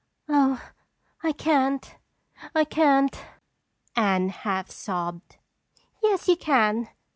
"Oh, I can't, I can't," Anne half sobbed. "Yes, you can.